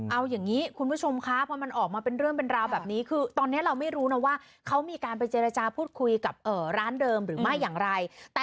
เอาอย่างนี้คุณผู้ชมคะพอมันออกมาเป็นเรื่องเป็นราวแบบนี้คือตอนนี้เราไม่รู้นะว่าเขามีการไปเจรจาพูดคุยกับร้านเดิมหรือไม่อย่างไร